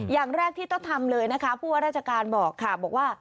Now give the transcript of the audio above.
อย่างแรกที่ต้องทำเลยนะคะผู้ว่าราชการบอกค่ะบอกว่า